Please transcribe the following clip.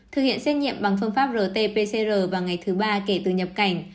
thực hiện xét nghiệm bằng phương pháp rt pcr vào ngày thứ ba kể từ nhập cảnh